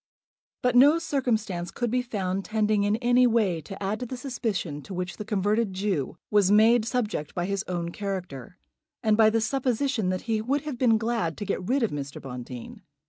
But no circumstance could be found tending in any way to add to the suspicion to which the converted Jew was made subject by his own character, and by the supposition that he would have been glad to get rid of Mr. Bonteen.